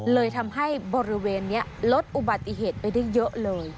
เลยทำให้บริเวณนี้ลดอุบัติเหตุไปได้เยอะเลย